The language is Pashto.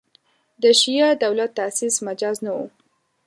د شیعه دولت تاسیس مجاز نه وو.